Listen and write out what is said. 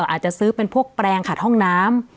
อาจจะซื้อเป็นพวกแปลงขัดห้องน้ำ